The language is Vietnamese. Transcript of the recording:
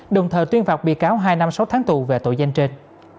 đồng thời tuyên phạm bị cáo hai năm sáu tháng tù về tội gian trên